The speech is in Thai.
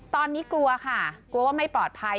ตอนนี้กลัวค่ะกลัวว่าไม่ปลอดภัย